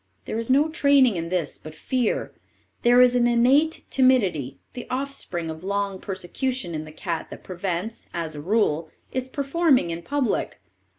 There is no training in this but fear. There is an innate timidity, the offspring of long persecution, in the cat that prevents, as a rule, its performing in public.